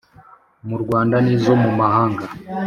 mu Rwanda n izo mu mahanga